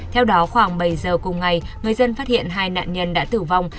theo đó khoảng bảy giờ cùng ngày người dân phát hiện hai nạn nhân đã tử vong